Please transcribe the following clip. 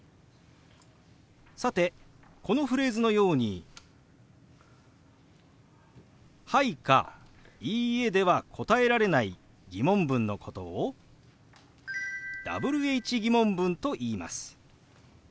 さてこのフレーズのように「はい」か「いいえ」では答えられない疑問文のことをＷｈー疑問文といいます。